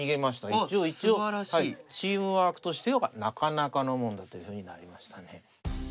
一応チームワークとしてはなかなかのもんだというふうになりましたね。